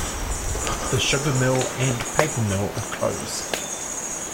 The sugar mill and paper mill are closed.